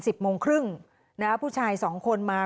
สิบโมงครึ่งนะฮะผู้ชายสองคนมา